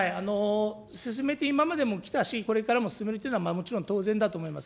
進めて、今までもきたし、これからも進めるというのは、もちろん当然だと思います。